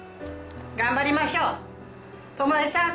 頑張りましょう友枝さん。